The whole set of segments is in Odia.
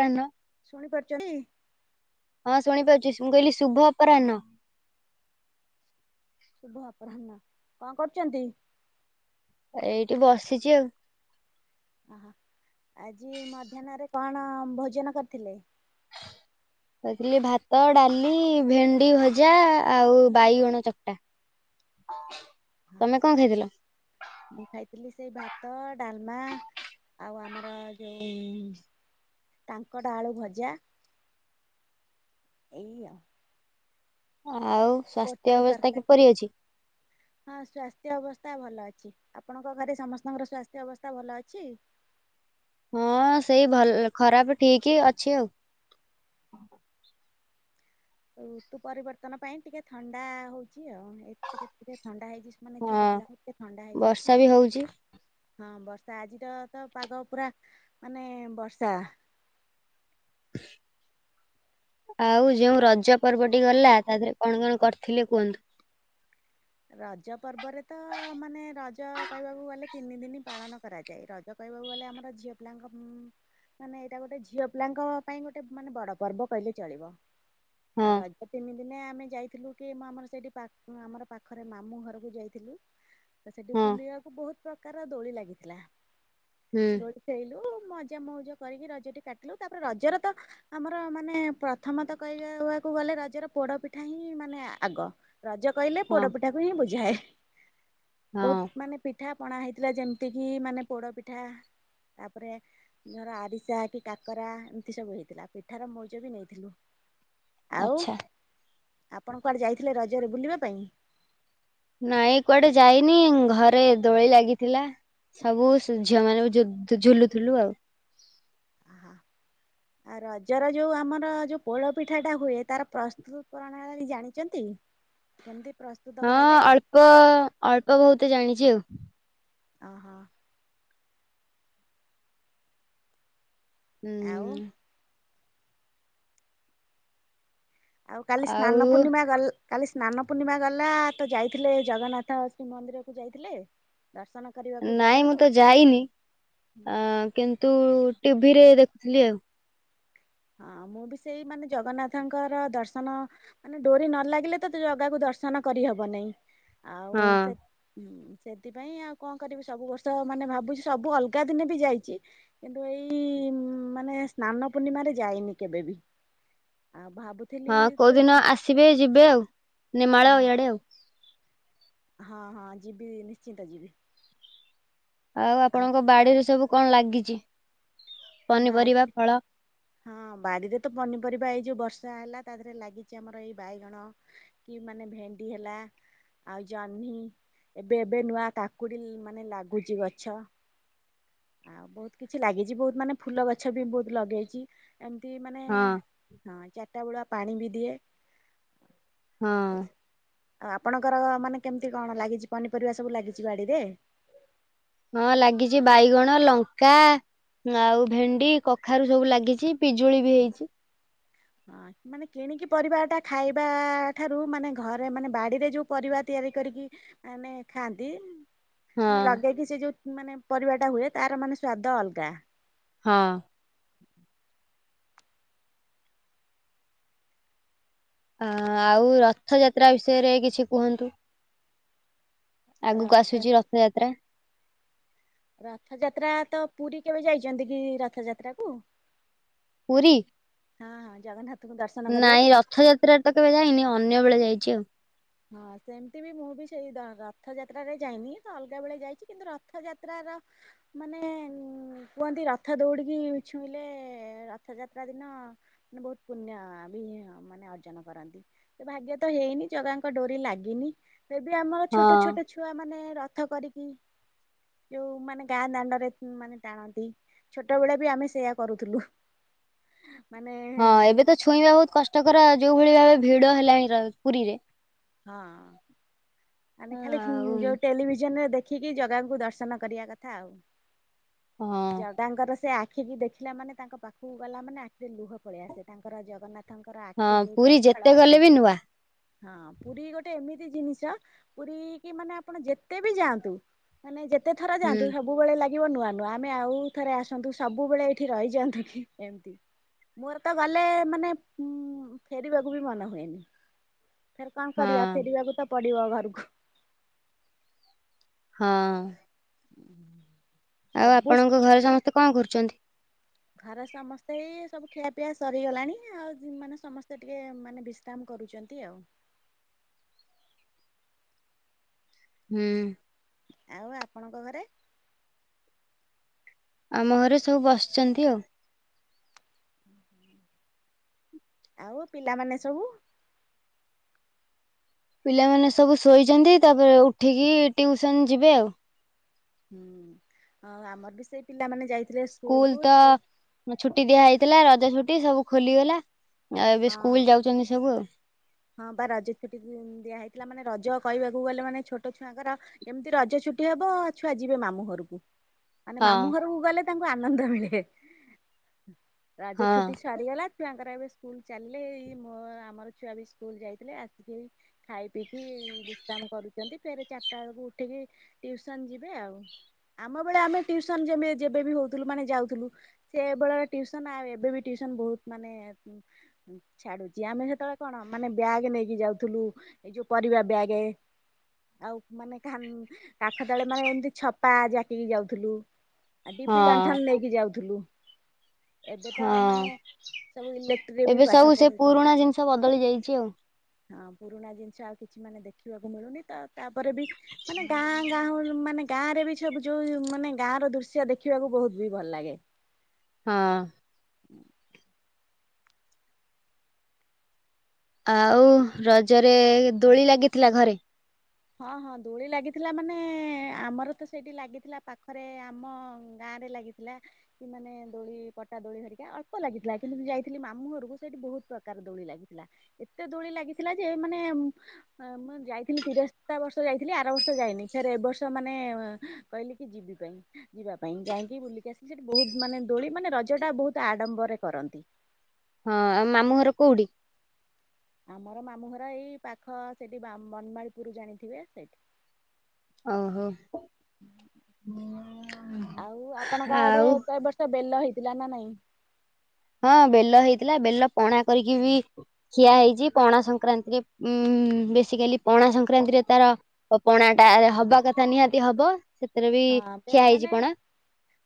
କାଇନ। ଶୁଣି ପାରୁଚନ୍ତି। ହଁ ଶୁଣିପାରୁଛି ମୁଁ କହିଲି ଶୁଭ ଅପରାହ୍ନ। ସୁଭ ଅପରାହ୍ନ କଣ କରୁଚନ୍ତି। ଏଇଠି ବସିଛି ଆଉ। ହଁ ଆଜି ମଧ୍ୟାହ୍ନରେ କଣ ଭୋଜନ କରିଥିଲେ? ଖାଇଥିଲି ଭାତ ଡାଲି ଭେଣ୍ଡି ଭଜା ଆଉ ବାଇଗଣ ଚକଟା। ତମେ କଣ ଖାଇଥିଲ? ମୁଁ ଖାଇଥିଲି ସେଇ ଭାତ ଡାଲମା। ଆଉ ଆମର ଯଉ କାଙ୍କଡ଼ ଆଳୁ ଭଜା। ଏଇଆ। ଆଉ ସ୍ୱାସ୍ଥ୍ୟ ଅବସ୍ଥା ତରକାରୀ। କିପରି ଅଛି? ହଁ ସ୍ୱାସ୍ଥ୍ୟ ଅବସ୍ଥା ଭଲ ଅଛି ଆପଣଙ୍କ ଘରେ ସମସ୍ତଙ୍କର ସ୍ୱାସ୍ଥ୍ୟ ଅବସ୍ଥା ଭଲ ଅଛି? ହଁ ସେଇ ଭଲ ଖରାପ ଠିକ ଅଛି ଆଉ। ଋତୁ ପରିବର୍ତ୍ତନ ପାଇଁ ଟିକେ ଥଣ୍ଡା ହଉଛି। ଆଉ ଏତେ କେତ ଥଣ୍ଡା ହେଇଯାଇଛି ମାନେ ଛୋଟ ହଁ ପିଲା କ ଏତେ ଥଣ୍ଡା ବର୍ଷା ହେଇଯାଇଛି ଆଉ। ବି ହଉଛି ହଁ ବର୍ଷା ଆଜିର ତ ପାଗ ପୁରା ମାନେ ବର୍ଷା। ଆଉ ଯୋଉ ରଜ ପର୍ବଟି ଗଲା ତା ଦେହରେ କଣ କଣ କରିଥିଲେ କୁହନ୍ତୁ। ରଜ ପର୍ବରେ ତ ମାନେ ରଜ କହିବାକୁ ଗଲେ ତିନି ଦିନ ପାଳନ କରାଯାଏ ରଜ କକୁ ଗଲେ ଆମର ଝିଅ ପିଲାଙ୍କ। ମାନେ ଏଇଟା ଗୋଟେ ଝିଅ ପିଲାଙ୍କ ପାଇଁ ଗୋଟେ ମାନେ ବଡ ପର୍ବ କହିଲେ ଚଳିବ। ଆଉ ହଁ ରଜ ତିନି ଦିନେ ଆମେ ଯାଇଥିଲୁ କି ଆମର ସେଇଠି ଆମ ପାଖ। ପାଖରେ ମାମୁଁ ଘରକୁ ଯାଇଥିଲୁ ତ ସେଠି ହଁ ବୁଲିବାକୁ ବହୁତ ପ୍ରକାର ଦୋଳି ଲାଗିଥିଲା। ହୁଁ ଦୋଳି ଖେଳିଲୁ ମଜା ମଉଜ। ର କରିକି ରଜ କାଟିଲୁ ତାପରେ ରଜର ତ ଆମର ମାନେ ପ୍ରଥମ ତ କହିବାକୁ ଗଲେ ରଜର ପୋଡ ପିଠା ହିଁ ମାନେ ଆଗ ରଜ କହିଲେ ହଁ ପୋଡ ପିଠା କୁ ହିଁ ବୁଝାଏ। ହଁ ବହୁତ ମାନେ ପିଠା ପଣା ହେଇଥିଲା ଯେମିତି କିି ମାନେ ପୋଡ ପିଠା। ତାପରେ ଆରିସା କି, କାକରା ଏମିତି ସବୁ ହେଇଥିଲା ପିଠାର ମଉଜ ବି ନେଇଥିଲୁ ଆଉ ଆଚ୍ଛା। ଆପଣ କୁଆଡେ ଯାଇଥିଲେ ରଜରେ ବୁଲିବା ପାଇଁ? ନାଇଁ କୁଆଡେ ଯାଇନି ଘରେ ଦୋଳି ଲାଗିଥିଲା। ସବୁ ଝିଅ ମାନଙ୍କୁ ଝୁଲୁଥିଲୁ ଆଉ। ଆଃ ରଜର ଯୋଉ ଆମର ଯୋଉ ପୋଡ ପିଠା ଟା ହୁଏ ତାର ପ୍ରସ୍ତୁତ ପ୍ରଣାଳୀ ଜାଣିଛନ୍ତି? ଯେମିତି ହଁ ଅଳ୍ପ ଅଳ୍ପ ବହୁତ ଜାଣିଛି ଆଉ। ଓ ହୋ। ଆଉ ହୁଁ। ଆଉ କାଲି ସ୍ନାନ ଆଉ ପୂର୍ଣ୍ଣିମା ଗ କାଲି ସ୍ନାନ ପୂର୍ଣିମା ଗଲା ତ ଯାଇଥିଲେ ଜଗନ୍ନାଥ ଶ୍ରୀ ମନ୍ଦିର କୁ ଯାଇଥିଲେ? ଦର୍ଶନ କରିବାକୁ ନାଇଁ ମୁଁ ଜଗାଙ୍କୁ? ତ ଯାଇନି ଅ କିନ୍ତୁ ଟିଭି ରେ ଦେଖୁଥିଲି ଆଉ। ହଁ। ଦର୍ଶନ କରିହବ ନାଇଁ ଆଉ ହଁ ସେ ସେଥିପାଇଁ ଆଉ କଣ କରିବି ସବୁ ବର୍ଷ ମାନେ ଭାବୁଛି ସବୁ ଅଲଗା ଦିନେ ବି ଯାଇଛି କିନ୍ତୁ ଏଇ ମାନେ ସ୍ନାନ ପୂର୍ଣ୍ଣିମାରେ ଯାଇନି କେବେ ବି? ଆଉ ଭାବୁଥିଲି ହଁ ତ କୋଉଦିନ ଯିବି ଆସିବେ ଯିବେ ଆଉ ନେମାଳ ହଁ ଇଆଡେ ଆଉ ହଁ ହଁ ଯିବି ନିଶ୍ଚିନ୍ତ ଯିବି। ଆଉ ଆପଣଙ୍କ ବାଡିରେ ସବୁ କଣ ଲାଗିଚି? ବାଟ ହଁ ବାଡିରେ ତ ପନିପରିବା ହେଇ ଯୋଉ ବର୍ଷା ହେଲା ତା ଦେହରେ ଲାଗିଛି ଆମର ଏଇ ବାଇଗଣ କି ମାନେ ଭେଣ୍ଡି ହେଲା ଆଉ ଜହ୍ନି ଏବେ ଏବେ ନୂଆ କାକୁଡି ମାନେ ଲାଗୁଛି ଗଛ। ଆଉ ବହୁତ କିଛି ଲାଗିଛି ବହୁତ ମାନେ ଫୁଲ ଗଛ ବି ବହୁତ ଲଗେଇଛି ଏମତି ମାନେ ହଁ ହଁ ଉଟା ବୁଡ଼ା ପାଣି ବି ଦିଏ। ହଁ। ଆଉ ଆପଣଙ୍କର ମାନେ କେମିତି କଣ ଲାଗିଛି ପନିପରିବା ସବୁ ଲାଗିଛି ବାଡିରେ। ହଁ ଲାଗିଛି ବାଇଗଣ, ଲଙ୍କା ଆଉ ଭେଣ୍ଡି କଖାରୁ ସବୁ ଲାଗିଛି ପିଜୁଳି ବି ହେଇଚି। ହଁ ମାନେ କିଣିକି ପରିବା ଟା ଖାଇବା ଠାରୁ ମାନେ ଘରେ ମାନେ ବାଡିରେ ଯୋଉ ପରିବା ତିଆରି ତିଆରି କରିକି ମାନେ ଖାଆନ୍ତି। ହଁ ମାନେ ଲଗେଇକି ସେ ଯୋଉ ମାନେ ପରିବା ଟା ହୁଏ ତାର ମାନେ ସ୍ଵାଦ ଅଲଗା। ହଁ। ଅ ଆଉ ରଥଯାତ୍ରା ବିଷୟରେ କିଛି କୁହନ୍ତୁ? ଆଗକୁ ରଥ ଆସୁଛି ରଥଯାତ୍ରା ରଥଯାତ୍ରା ତ ପୁରୀ କେବେ ଯାଇଛନ୍ତି କି ରଥଯାତ୍ରା କୁ? ପୁରୀ? ହଁ ହଁ ଜଗନ୍ନାଥ। ନାଇଁ ରଥଯାତ୍ରା ତ କେବେ ଯାଇନି ଅନ୍ୟ ବେଳେ ଯାଇଛି ଆଉ। ହଁ ସେମିତି ବି ମୁଁ ବି ସେଇ ରଥଯାତ୍ରାରେ ଯାଇନି ତ ଅଲଗା ବେଳେ ଯାଇଛି କିନ୍ତୁ ରଥଯାତ୍ରାର ମାନେ ଉ କୁହନ୍ତି ରଥ ଦୌଡିକି ଛୁଇଁଲେ ରଥଯାତ୍ରା ଦିନ ହଁ ମାନେ ବହୁତ ପୁଣ୍ୟ ବି ମାନେ ଅର୍ଜନ କରନ୍ତି ଭାଗ୍ୟ ତ ହେଇନି ଜଗା ଡୋରି ଲାଗିନି ଏବେ ଆମର ଛୋଟ ହଁ ଛୋଟ ଛୁଆ ମାନେ ରଥ କରିକି ଯୋଉ ମାନେ ଗାଁ ଦାଣ୍ଡରେ ମାନେ ଟାଣନ୍ତି ଛୋଟବେଳେ ବି ଆମେ ସେଇୟା କରୁଥିଲୁ। ମାନେ ହଁ ଏବେ ତ ଛୁଇଁବା ବହୁତ କଷ୍ଟକର ଯୋଉ ଭଳି ଭାବେ ଭିଡ ହେଲାଣି ପୁରୀରେ। ହଁ ମାନେ ଖାଲି ଆଉ ଯୋଉ ଟେଲିଭିଜନ ରେ ଦେଖ ଆଖିକି ଜଗାଙ୍କୁ ଦର୍ଶନ କରିବା କଥା ଆଉ ହଁ ଜଗାଙ୍କର ସେ ଆି ଆଖିକି ଦେଖିଲା ମାନେ ତାଙ୍କ ପାଖକୁ ଗଲା ମାନେ ଆଖିରେ ଲୁହ ପଳେଇଆ ଆସେ ତାଙ୍କର ଜଗନ୍ନାଥ ତାଙ୍କର ଆଖି ହଁ ଯୋଉ ପୁରୀ ଚଳଚଳ ଯେତେ ଗଲେ ଆଖି ବି ନୂଆ। ହଁ। ପୁରୀ ଗୋଟେ ଏମିତି ଜିନିଷ ପୁରୀ କି ମାନେ ଆପଣ ଯେତେ ବି ଯାଆନ୍ତୁ ମାନେ ଯେ ହୁଁ। କେତଥରାନ୍ତୁ ସବୁବେଳେ ଲାଗ ଲ ନୂଆ ନୁଆ ଆମେ ଆଉ ଥରେ ଆସନ୍ତୁ ସବୁବେଳେ ଏଇଠି ରହିଯାଆନ୍ତୁ କି ଏମତି। ମୋର ତ ଗଲେ ମାନେ ଫେରିବାକୁ ବି ମନ ହୁଏନି। କଣ କରିବା ହଁ ଫେରିବାକୁ ତ ପଡିବ ଘରକୁ। ହଁ। ହୁଁ ଆଉ ଆପଣଙ୍କ ଘରେ ସମସ୍ତେ କଣ କରୁଛନ୍ତି? ଘରେ ସମସ୍ତେ ଏଇ ସବୁ ଖିଆ ପିଆ ସରିଗଲାଣି ଆଉ ମାନେ ସମସ୍ତେ ଟିକେ ମାନେ ବିଶ୍ରାମ କରୁଛନ୍ତି ଆଉ। ହୁଁ। ଆଉ ଆପଣଙ୍କ ଘରେ? ଆମ ଘରେ ସବୁ ବସିଛନ୍ତି ଆଉ। ଆଉ ପିଲାମାନେ ସବୁ? ପିଲାମାନେ ସବୁ ଶୋଇଛନ୍ତି ତାପରେ ଉଠିକି ଟିଉସନ ଯିବେ ଆଉ। ହୁଁ ଆମର ବି ସେଇ ପିଲାମାନୋନ ସ୍କୁଲ ତ ଛୁଟି ଦିଆ ହେଇଥିଲା ରଜ ଛୁଟି ସବୁ ଖୋଲିଗଲା। ଆଉ ଏବେ ସ୍କୁଲ ଯାଉଛନ୍ତି ସବୁ? [unintelligible] ଯଇଥିଲା ମାନେ ରଜ କହିବାକୁ ଗଲେ ମାନେ ଛୋଟ ଛୁଆଙ୍କର ଏମିତି ରଜ ଛୁଟି ହବ ଛୁଆ ଯିବେ ମାମୁ ଘରକୁ ମାନେ ହଁ ମାମୁଁ ଘରକୁ ଗଲେ ତାଙ୍କୁ ଆନନ୍ଦ ମିଳେ। ରାଜ ହଁ ଛୁଟି ସାରିଗଲା ଛୁଆଙ୍କର ଏବେ ସ୍କୁଲ ଚାଲିଲେ ଏଇ ମୋ ଆମର ଛୁଆ ବି ସ୍କୁଲ ଯାଇଥିଲେ ଆସିକି ଖାଇ ପିଇକି ବିଶ୍ରାମ କରୁଛନ୍ତି ଫେ ଚାରିଟା ବେଳକୁ ଉଠିକି ଟିଉସନ ଯିବେ ଆଉ। ଆମ ବେଳେ ଆମେ ଟିଉସନ ଯେମିତି ଯେବେବ ହଉଥିଲୁ ମାନେ ଯାଉଥିଲୁ ସେବେଳ ଟିୁସନ ଆଉ ଏବେ ବି ବହୁତ ମାନେ ଛାଡୁଛି ଆମେ ସେତେବେଳେ କଣ ମାନେ ବ୍ୟାଗ୍ ନେଇକି ଯାଉଥିଲୁ ଏଇ ଯୋଉ ପରିବା ବ୍ୟାଗ ଆଉ ମାନେ କାଖ ତଳେ ମାନେ ଏମିତି ଛପା ଜାକିକି ଯାଉଥିଲୁ। ଆଉ ହଁ ଡିବି ଲଣ୍ଠା ନେଇକି ଯାଉଥିଲୁ। ଏବେ ତ ମାନେ ସବୁ ହଁ ଇଲେକ୍ଟ୍ରିରେ ବି ଏବେ ପାଠ ସବୁ ସେ ପଢୁଛନ୍ତି ପୁରୁଣା ଜିନିଷ ବଦଳି ଯାଇଛି ଆଉ। ହଁ ପୁରୁଣା ଜିନିଷ ଆଉ କିଛି ମାନେ ଦେଖିବାକୁ ମିଳୁନି ତ ତା ଉପରେ ବି ମାନେ ଗାଁ ଗାଁଳି ମାନେ ଗାଁରେ ବି ସବୁ ଯୋଉ ମାନେ ଗାଁ ର ଦୃଶ୍ୟ ଦେଖିବାକୁ ବହୁତ ବି ଭଲ ଲାଗେ। ହଁ। ହୁଁ ଆଉ ରଜରେ ଦୋଳି ଲାଗିଥିଲା ଘରେ? ହଁ ହଁ ଦୋଳି ଲାଗିଥିଲା ମାନେ ଆମର ତ ସେଇଠି ଲାଗିଥିଲା ପାଖରେ ଆମ ଗାଁ ଗଁରେ ଲାଗିଥିଲା କି ମାନେ ଦୋଳି ପଟା ଦୋଳି ଧରିକା ଅଳ୍ପ ଲାଗଥିଲା କିନ୍ତୁ ଯାଇଥିଲି ମାମୁ ଘରକୁ ସେଠି ବହୁତ ପ୍ରକାର ଦୋଳି ଲାଗିଥିଲା ଏତେ ଦୋଳି ଲାଗିଥିଲା ଯେ ମାନେ ମୁଁ ଯାଇଥିଲି ତିର ସ ବର୍ଷ ଯାଇଥିଲି ଆର ବର୍ଷ ଯାଇନି ଫରେ ଏ ବର୍ଷ ମାନେ କହିଲେ କି ଯିବି ପାଇଁ ଯିବା ପାଇଁ କାହିକି ବୁଲିକି ଆସିଲେ ସେଠି ବହୁତ ମାନେ ଦୋଳି ମାନେ ରଜ ଟା ବହୁତ ଆଡମ୍ବରେ କରନ୍ତି ହଁ ଆଉ ମାମୁଁ ଘର କୋଉଠି? ଆମର ମାମୁଁ ଘର ଏଇ ପାଖ ସେଠି ବନମାଳପୁରରୁ ଜାଣିଥିବେ ସେଇଠି। ଓହୋ ଆଉ ଆପଣ ଗା ଆଡେ ଆଉ କ ବର୍ଷ ବେଲ ହେଇ? ପିଲ ନା ନାଇଁ? ହଁ ବେଲ ହେଇଥିଲା ବେଲ ପଣା କରିକି ବି ଖିଆ ହେଇଚି ପଣା ସଂକ୍ରାନ୍ତି ଉଁ ଉଁ ବେସିକାଲି ପଣା ସଂକ୍ରାନ୍ତିରେ ତାର ପଣାଟା ହବା କଥା ନିହାତି ହବ। ସେଥିରେ ବି ହଁ ବେ ଖିଆ ହେଇଛି ମାନେ ପଣା।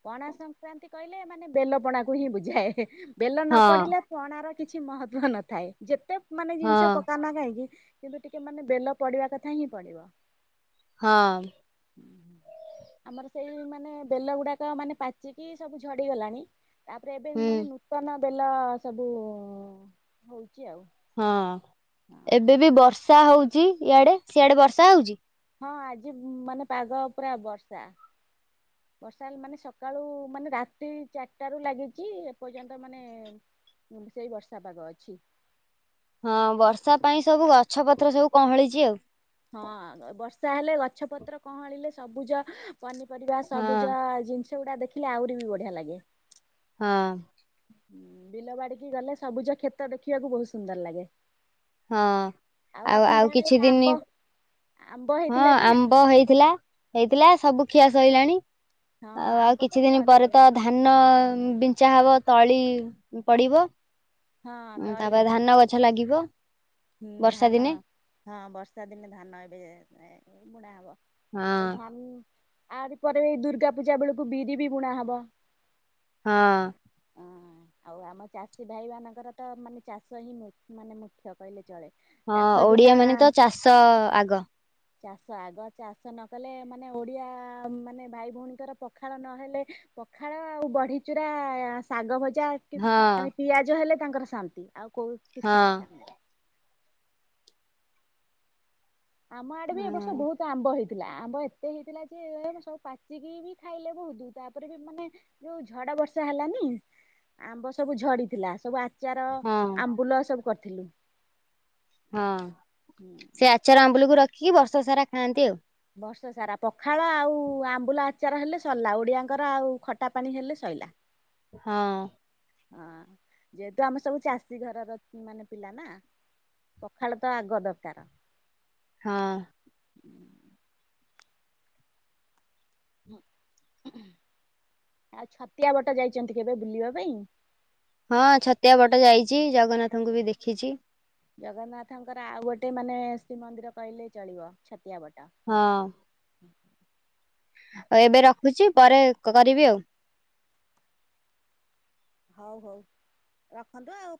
ପଣା ସଂକ୍ରାନ୍ତି କହିଲେ ମାନେ ବେଲ ପଣାକୁ ହିଁ ବୁଝାଏ ବେଲ ନ ହଁ ପଡ଼ିଲେ ପଣାର କିଛି ମହତ୍ଵ ନଥାଏ ଯେତେ ମାନେ ହଁ ଜିନିଷ ପକାନା କାହିଁକି କିନ୍ତୁ ଟିକେ ମାନେ ବେଲ ପଡ଼ିବା କଥା ହିଁ ପଡ଼ିବ। ହଁ। ଆମର ସେଇ ମାନେ ବେଲ ଗୁଡ଼ାକ ମାନେ ପାଚିକି ସବୁ ଝଡି଼ଗଲାଣି। ତାପରେ ଏବେ ହୁଁ ମାନେ ନୂତନ ବେଲ ସବୁ ହୋଉ ହଁ ଏବେ ବି ବର୍ଷା ହଉଚି ଇଆଡ଼େ ସିଆଡେ ବର୍ଷା ହଉଚି? ହଁ ଆଜି ଉଁ ମାନେ ପାଗ ପୁରା ବର୍ଷା। ବର୍ଷା ହେଇ ମାନେ ସକାଳୁ ମାନେ ରାତି ଚାରଟାରୁ ଲାଗିଚି ଏପର୍ଯ୍ୟନ୍ତ ମାନେ ଉଁ ବି ସେଇ ବର୍ଷା ପାଗ ଅଛି। ହଁ ବର୍ଷା ପାଇଁ ସବୁ ଗଛ ପତ୍ର ସବୁ କହଁଳିଚି ଆଉ। ହଁ ବର୍ଷା ହେଲେ ଗଛ ପତ୍ର କହଁଳିଲେ ସବୁଜ ପନିପରିବା ହଁ ସବୁଜ ଜିନିଷ ଗୁଡ଼ା ଦେଖିଲେ ଆହୁରି ବି ବଢ଼ିଆ ଲାଗେ। ହଁ ବିଲ ବାଡି଼କି ଗଲେ ସବୁଜ କ୍ଷେତ ଦେଖିବାକୁ ବୋହୁତ ସୁନ୍ଦର ଲାଗେ। ହଁ ଆଉ ଆପଣଙ୍କ ଆଉ ଆଡେ କିଛି ଦିନି ଆମ୍ବ ଆମ୍ବ ହଁ ହେଇଥିଲା କି ନାଇଁ? ଆମ୍ବ ହେଇଥିଲା ହେଇଥିଲା ସବୁ ଖିଆ ସଇଲାଣି ହଁ ଆଉ ଆଉ ଆମ୍ବ ତ କିଛି ଦିନି ପରେ ତ ସରିଗଲାଣି ଧାନ ବିଞ୍ଚା ହବ ତଳି ପଡ଼ିବ। ହଁ ଉଁ ତା ତଳି ପା ହଁ ଧାନ ଗଛ ଲାଗିବ। ହୁଁ ବର୍ଷା ଧାନ ଦିନେ ହଁ ବର୍ଷା ଦିନେ ଧାନ ଏବେ ଏ ବୁଣା ହବ। ହଁ ଏଇ ଧାନ୍ ଆରି ପରେ ଏଇ ଦୁର୍ଗା ପୂଜା ବେଳୁକୁ ବିରି ବି ବୁଣା ହବ। ହଁ। ହଁ ଆଉ ଆମ ଚାଷୀ ଭାଇମାନଙ୍କର ତ ମାନେ ଚାଷ ହିଁ ମୁ ମାନେ ମୁଖ୍ୟ କହିଲେ ଚଳେ। ହଁ ଚାଷ ବିନା ଓଡ଼ିଆମାନେ ତ ଚାଷ ଆଗ। ଚାଷ ଆଗ ଚାଷ ନ କଲେ ମାନେ ଓଡ଼ିଆ ମାନେ ଭାଇ ଭୋଉଣୀଙ୍କର ପଖାଳ ନହେଲେ ପଖାଳ ଆଉ ବଢି଼ଚୁରା ଶାଗ ଭଜା କି ହଁ ମାନେ ପିଆଜ ହେଲେ ତାଙ୍କର ଶାନ୍ତି ଆଉ କୋଉ କିିଛି ହଁ ଦରକାର ନାଇଁ। ଆମ ଆଡ଼େ ବି ଏ ବର୍ଷ ବୋହୁତୁ ଆମ୍ବ ହେଇ ଥିଲା ଆମ୍ବ ଏତେ ହେଇଥିଲା ଯେ ସବୁ ପାଚିକି ବି ଖାଇଲେ ବୋହୁତୁ ତାପରେ ବି ମାନେ ଯୋଉ ଝଡ଼ ଆ ବର୍ଷା ହେଲାନି ଆମ୍ବ ସବୁ ଝଡି଼ଥିଲା ସବୁ ଆ ଚାର ହଁ ହଁ ଆମ୍ବୁଲ ସବୁ କରିଥିଲୁ। ହଁ ସେ ଆଚର ଆମ୍ବୁଲୁକୁ ରଖିକି ବର୍ଷ ସାରା ଖାଆନ୍ତି ଆଉ। ବର୍ଷ ସାରା ପଖାଳ ଆଉ ଆମ୍ବୁଲ ଆଚାର ହେଲେ ସରିଲା ଓଡ଼ିଆଙ୍କର ଆଉ ଖଟା ପାଣି ହେଲେ ସଇଲା। ହଁ। ହଁ ଯେହେତୁ ଆମେ ସବୁ ଚାଷୀ ଘରର ଉଁ ମାନେ ପିଲା ନାଁ। ପଖାଳ ତ ଆଗ ଦରକାର। ହଁ। ହୁଁ। ଆଉ ଛତିଆ ବଟ ଯାଇଚନ୍ତି କେବେ ବୁଲିବା ପାଇଁ? ହଁ ଛତିଆ ବଟ ଯାଇଚି ଜଗନ୍ନାଥଙ୍କୁ ବି ଦେଖିଚି। ଜଗନ୍ନାଥଙ୍କର ଆଉ ଗୋଟେ ମାନେ ଶ୍ରୀମନ୍ଦିର କହିଲେ ଚଳିବ ଛତିଆ ବ ହଁ। ଆଉ ଏବେ ରଖୁଚି ପରେ କ୍ କରିବି ଆଉ। ହଉ ହଉ ରଖନ୍ତୁ ଆଉ